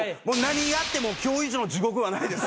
何やっても今日以上の地獄はないです。